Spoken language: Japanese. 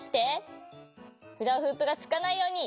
フラフープがつかないように！